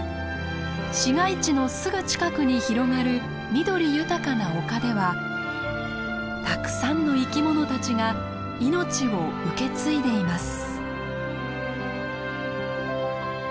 市街地のすぐ近くに広がる緑豊かな丘ではたくさんの生き物たちが命を受け継いでいます。